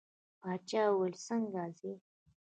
باچا وویل څنګه ځې.